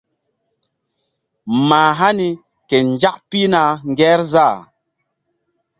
Mah hani ke nzak pihna ŋgerzah.